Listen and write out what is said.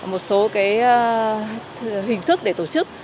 một số cái hình thức để tổ chức